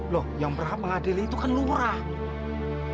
loh yang berapa mengadili itu kan nurang